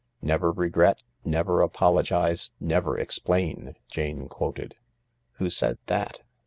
"Never regret, never apologise, never explain," Jane quoted. "Who said that?"